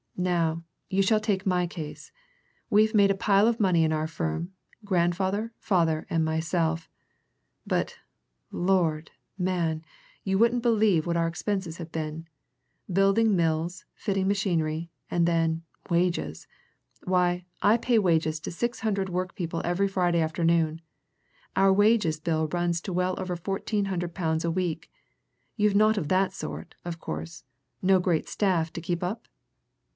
"Now, you shall take my case. We've made a pile of money in our firm, grandfather, father, and myself; but, Lord, man, you wouldn't believe what our expenses have been! Building mills, fitting machinery and then, wages! Why, I pay wages to six hundred workpeople every Friday afternoon! Our wages bill runs to well over fourteen hundred pound a week. You've naught of that sort, of course no great staff to keep up?"